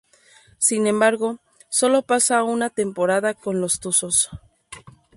Sin embargo, solo pasa una temporada con los tuzos.